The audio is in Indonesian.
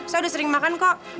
saya udah sering makan kok